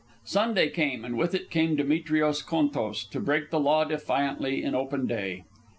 Sunday came, and with it came Demetrios Contos, to break the law defiantly in open day.